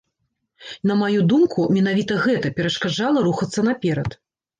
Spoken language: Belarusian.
На маю думку, менавіта гэта перашкаджала рухацца наперад.